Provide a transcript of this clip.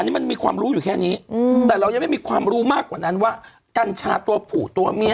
อันนี้มันมีความรู้อยู่แค่นี้แต่เรายังไม่มีความรู้มากกว่านั้นว่ากัญชาตัวผูตัวเมีย